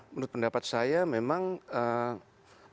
menurut pendapat saya memang mungkin ya kesalahan itu tidak berada pada perbedaan